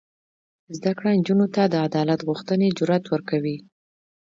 زده کړه نجونو ته د عدالت غوښتنې جرات ورکوي.